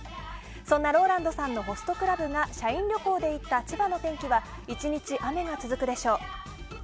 そんなＲＯＬＡＮＤさんがホストクラブが社員旅行で行った千葉の天気は１日、雨が続くでしょう。